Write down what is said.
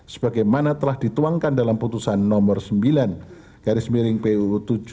sebagaimana telah dituangkan dalam putusan nomor sembilan garis miring puu tujuh puluh